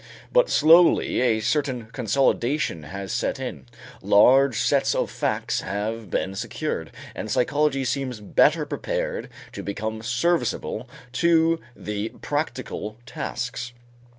But slowly a certain consolidation has set in; large sets of facts have been secured, and psychology seems better prepared to become serviceable to the practical tasks.